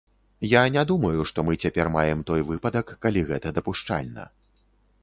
Я не думаю, што мы цяпер маем той выпадак, калі гэта дапушчальна.